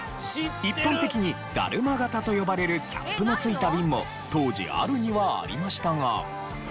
一般的にダルマ型と呼ばれるキャップの付いた瓶も当時あるにはありましたが。